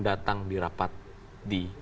datang dirapat di